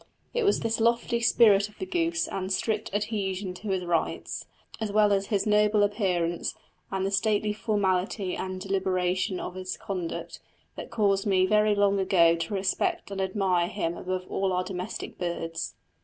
It was this lofty spirit of the goose and strict adhesion to his rights, as well as his noble appearance and the stately formality and deliberation of his conduct, that caused me very long ago to respect and admire him above all our domestic birds.